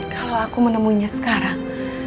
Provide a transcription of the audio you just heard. kalau aku menemunya sekarang